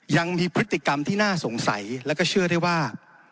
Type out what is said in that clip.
ยังมีพฤติกรรมที่น่าสงสัยแล้วก็เชื่อได้ว่า